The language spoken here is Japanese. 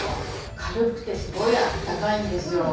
軽くてすごいあったかいんですよ。